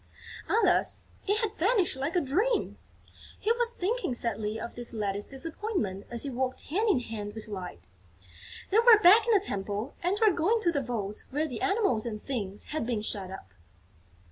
Alas, it had vanished like a dream! He was thinking sadly of this latest disappointment as he walked hand in hand with Light. They were back in the Temple and were going to the vaults where the Animals and Things had been shut up.